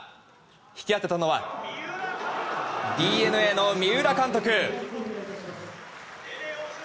引き当てたのはＤｅＮＡの三浦監督。